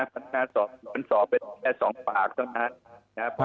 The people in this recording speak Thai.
มันสอบเป็นแค่สองฝากเท่านั้นนะ